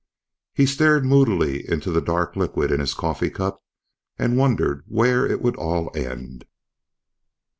He stared moodily into the dark liquid in his coffee cup and wondered where it would all end.